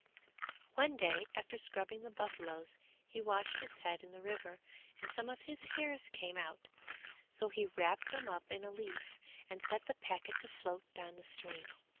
One day after scrubbing the buffaloes he washed his head in the river and some of his hairs came out; so he wrapped them up in a leaf and set the packet to float down the stream.